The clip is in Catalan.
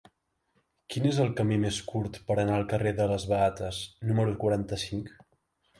Quin és el camí més curt per anar al carrer de les Beates número quaranta-cinc?